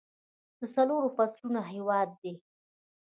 د څلورو فصلونو هیواد دی.